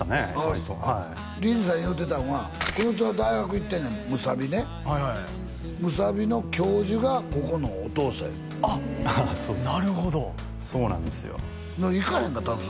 割とリリーさん言うてたんはこの人は大学行ってんねん武蔵美ね武蔵美の教授がここのお父さんやねんあっなるほどそうなんですよいかへんかったん？